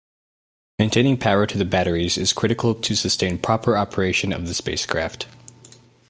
Maintaining power to the batteries is critical to sustain proper operation of the spacecraft.